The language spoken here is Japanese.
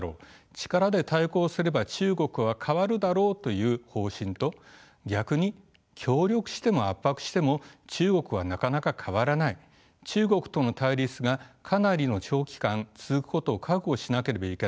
力で対抗すれば中国は変わるだろうという方針と逆に協力しても圧迫しても中国はなかなか変わらない中国との対立がかなりの長期間続くことを覚悟しなければいけない。